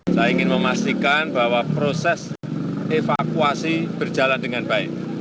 saya ingin memastikan bahwa proses evakuasi berjalan dengan baik